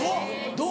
どう？